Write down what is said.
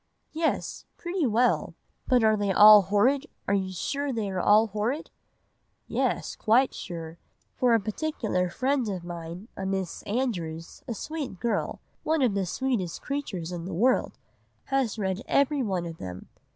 "'Yes, pretty well; but are they all horrid, are you sure they are all horrid?' "'Yes, quite sure; for a particular friend of mine—a Miss Andrews—a sweet girl, one of the sweetest creatures in the world, has read every one of them.